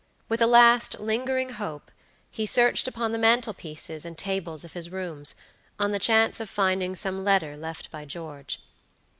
With a last, lingering hope, he searched upon the mantelpieces and tables of his rooms, on the chance of finding some letter left by George.